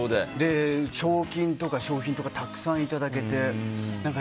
賞金とか賞品とかたくさんいただけて。